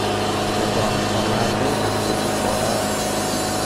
σχεδόν φωνάζει αυτή τη φορά